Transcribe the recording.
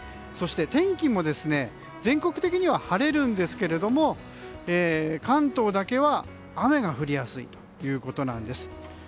そして天気も全国的には晴れるんですけれども関東だけは雨が降りやすいということなんです。